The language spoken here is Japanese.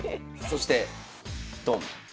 そしてドン。